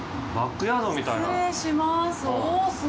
失礼します。